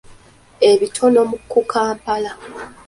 Ebitono ku Kampala.